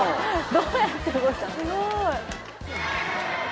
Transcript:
どうやって動いた！？